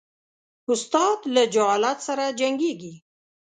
استاد له جهالت سره جنګیږي.